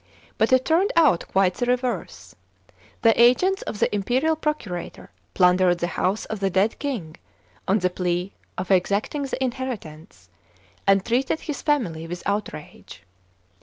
But it turned out quite the reverse. The agents of tho imperial procurator plundered the house of the dead king on tho pica of exacting the inheritance, and treated his family with outrage.